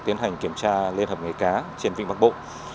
tiến hành kiểm tra liên hợp nghề cá trên vịnh bắc bộ